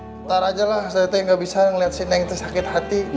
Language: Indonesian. bentar aja lah saya teh gak bisa ngeliat si neng tuh sakit hati